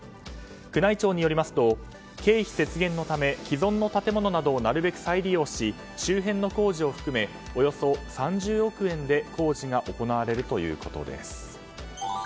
宮内庁によりますと経費節減のため既存の建物などをなるべく再利用し周辺の工事を含めおよそ３０億円で工事が行われるということです。